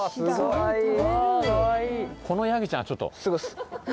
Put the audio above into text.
このヤギちゃんちょっと。